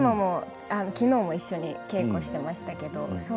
きのうも一緒に稽古をしていました。